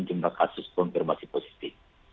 jumlah kasus konfirmasi positif